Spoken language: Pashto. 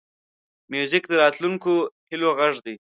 موزیک د راتلونکو هیلو غږ دی.